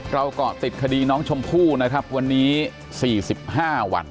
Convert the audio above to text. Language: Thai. กล่าวก่อติดคดีน้องชมพู่นะครับวันนี้สี่สิบห้าวัน